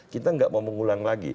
kita nggak mau mengulang lagi